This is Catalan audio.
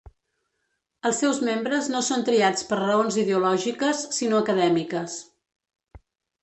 Els seus membres no són triats per raons ideològiques sinó acadèmiques.